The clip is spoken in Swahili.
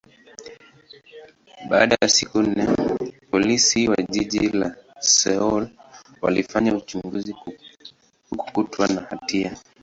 baada ya siku nne, Polisi wa jiji la Seoul walifanya uchunguzi, hakukutwa na hatia.